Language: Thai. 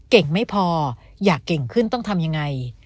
ไม่พออยากเก่งขึ้นต้องทำยังไง